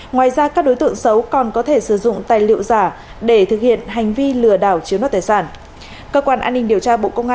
ngoài ra các đối tượng xấu còn có thể sử dụng tài liệu giả để thực hiện hành vi lừa đảo chiếu nốt tài sản